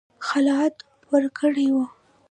خلعت ورکړی وو.